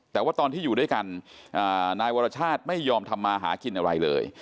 แต่ว่าตอนที่อยู่ด้วยกันนายวรชาติไม่ยอมทำมาหากินอะไรเลย